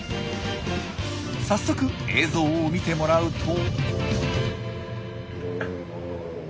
早速映像を見てもらうと。